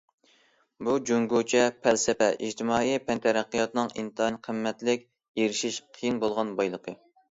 بۇ، جۇڭگوچە پەلسەپە، ئىجتىمائىي پەن تەرەققىياتىنىڭ ئىنتايىن قىممەتلىك، ئېرىشىش قىيىن بولغان بايلىقى.